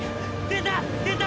出た！